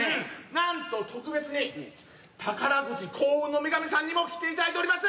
なんと特別に宝くじ幸運の女神さんにも来ていただいております。